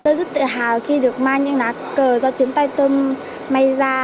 tôi rất tự hào khi được mang những lá cờ do chiếm tay tôm may ra